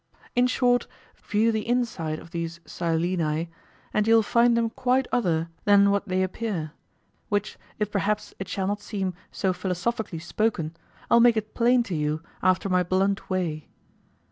In short, view the inside of these Sileni, and you'll find them quite other than what they appear; which, if perhaps it shall not seem so philosophically spoken, I'll make it plain to you "after my blunt way."